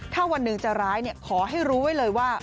ถ้าวันหนึ่งจะร้ายขอให้รู้ไว้เลยว่า